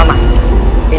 saya akan melakukan